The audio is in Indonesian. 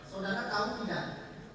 saudara tahu tidak